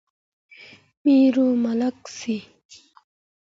میرو ملک سي